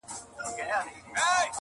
کوم انسان چي بل انسان په کاڼو ولي-